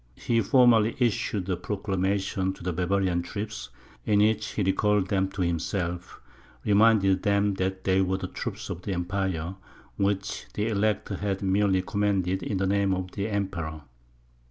He formally issued a proclamation to the Bavarian troops, in which he recalled them to himself, reminded them that they were the troops of the empire, which the Elector had merely commanded in name of the Emperor.